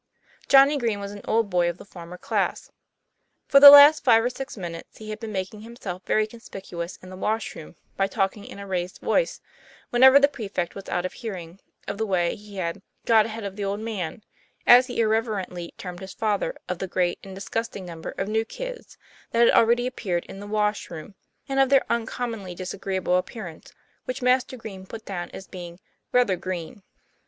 Johnny Green was an old boy of the former class. For the last five or six minutes he had been mak ing himself very conspicuous in the wash room, by talking in a raised voice whenever the prefect was out of hearing of the way he had " got ahead of the old man," as he irreverently termed his father, of the great and disgusting number of " new kids" that had already appeared in the wash room, and of their un TOM PLAYFAIR. 49 commonly disagreeable appearance, which Master Green put down as being " rather green."